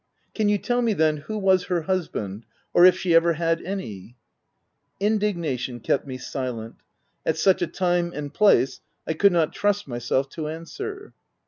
* Can you tell me, then, who was her hus band ; or if she ever had any ?" Indignation kept me silent. At such a time and place I could not trust myself to answer.